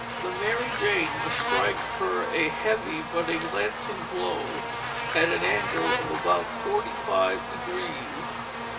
The Mary Jane must strike her a heavy but a glancing blow at an angle of about forty five degrees.